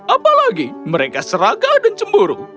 apalagi mereka seraga dan cemburu